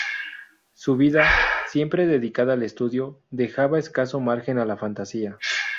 Su vida, siempre dedicada al estudio, dejaba escaso margen a la fantasía.